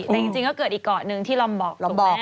แต่จริงก็เกิดอีกเกาะนึงที่ลำบอก